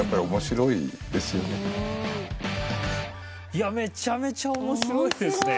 いやめちゃめちゃ面白いですね。